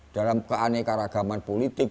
dalam keanekaragaman politik